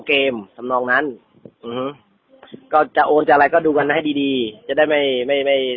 อ๋อก็ยังส่งเงินไปเลยเพราะรู้ข่าวว่าส่งเงินไปให้เขาแม่